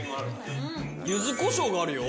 ゆずこしょうがあるよ。